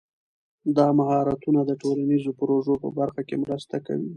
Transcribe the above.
دا مهارتونه د ټولنیزو پروژو په برخه کې مرسته کوي.